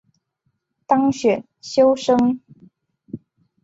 当选修生